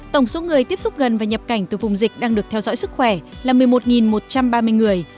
tổng số người tiếp xúc gần và nhập cảnh từ vùng dịch đang được theo dõi sức khỏe là một mươi một một trăm ba mươi người